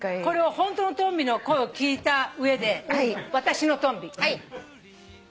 ホントのトンビの声を聞いた上で私のトンビ。